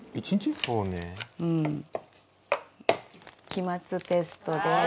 期末テストです。